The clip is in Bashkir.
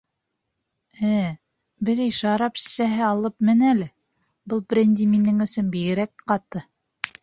Ә, берәй шарап шешәһе алып мен әле, был бренди минең өсөн бигерәк ҡаты.